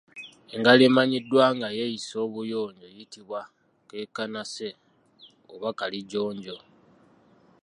Engalo emanyiddwa nga y’esinga obuyonjo eyitibwa Keekanase oba Kalijjonjo.